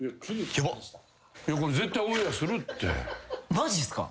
マジっすか！？